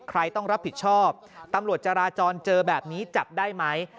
ใครต้องรับผิดชอบตำรวจจราจรเจอแบบนี้จับได้ไหม